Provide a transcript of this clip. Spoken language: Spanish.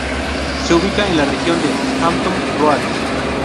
Se ubica en la región de Hampton Roads.